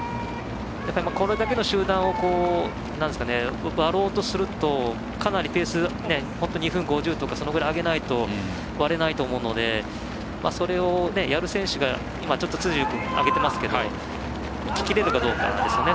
これだけの集団を割ろうとするとかなりペース、２分５０とかそのぐらい上げないと割れないと思うのでそれをやる選手が今ちょっと辻野君上げてますけどいききれるかどうかですね。